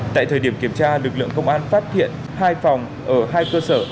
tại thời điểm kiểm tra lực lượng công an phát hiện hai phòng ở hai cơ sở